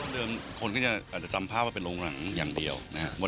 เดิมคนก็จะอาจจะจำภาพว่าเป็นโรงหนังอย่างเดียวนะครับ